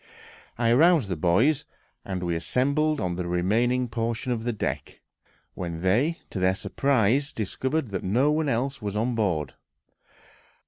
I aroused the boys, and we assembled on the remaining portion of the deck, when they, to their surprise, discovered that no one else was on board.